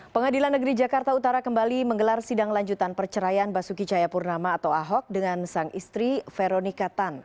pengadilan negeri jakarta utara kembali menggelar sidang lanjutan perceraian basuki cahayapurnama atau ahok dengan sang istri veronika tan